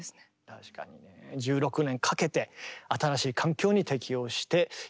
確かにね。１６年かけて新しい環境に適応していったのかもしれないんですけどもね。